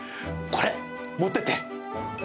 これ、持ってって。